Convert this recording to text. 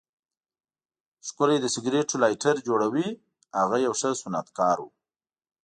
ښکلی د سګریټو لایټر جوړاوه، هغه یو ښه صنعتکار و.